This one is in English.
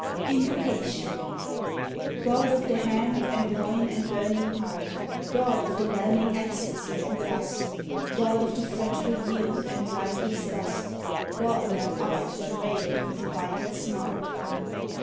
20 GOD of the hand and loin and burning heart, God of the whelming ecstasy and lust, God of the fretful youth and lifeless dust, God that art travailed with a vital smart